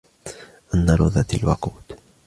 النار ذات الوقود